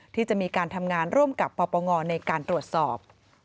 ที่จะมีการทำงานร่วมกับปปงในการตรวจสอบ